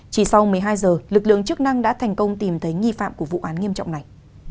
chỉ sau một mươi hai giờ lực lượng chức năng đã thành công tìm thấy nghi phạm của vụ án nghiêm trọng này